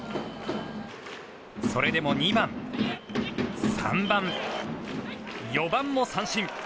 それでも２番、３番、４番も三振。